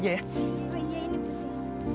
oh iya ini putih